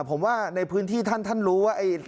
ผมว่าในพื้นที่ท่านท่านรู้ว่า